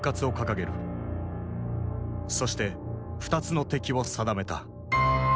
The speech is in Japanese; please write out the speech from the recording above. そして２つの敵を定めた。